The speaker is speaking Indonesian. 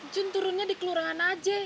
jun turunnya di kelurahan aceh